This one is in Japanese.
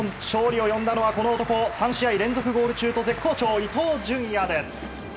勝利を呼んだのはこの男３試合連続ゴール中と絶好調、伊東純也です。